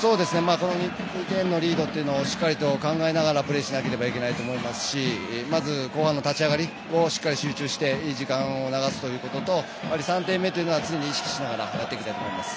２点のリードをしっかりと考えながらプレーしなきゃいけませんしまず後半の立ち上がりを集中していい時間を流すということと３点目は常に意識しながらやっていきたいと思います。